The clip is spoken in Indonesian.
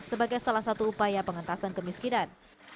sebagai salah satu upaya pengentasan kemiskinan